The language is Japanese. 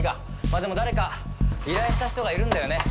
まあでも誰か依頼した人がいるんだよね。